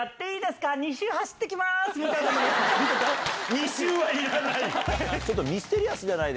２周はいらない！